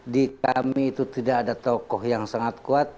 di kami itu tidak ada tokoh yang sangat kuat